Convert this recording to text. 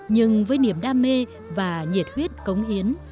nhưng với niềm đam mê và nhiệt huyết cống hiến